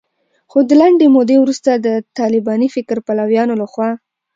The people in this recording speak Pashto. خو د لنډې مودې وروسته د طالباني فکر پلویانو لخوا